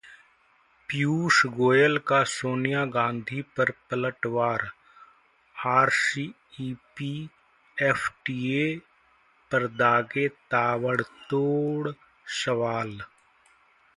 पीयूष गोयल का सोनिया गांधी पर पलटवार, आरसीईपी-एफटीए पर दागे ताबड़तोड़ सवाल